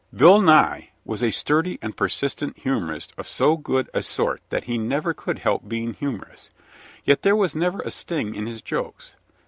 Bill Nye was a sturdy and persistent humorist of so good a sort that he never could help being humorous, yet there was never a sting in his jokes.